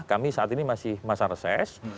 kami saat ini masih masa reses